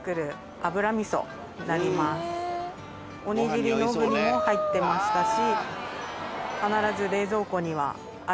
おにぎりの具にも入ってましたし。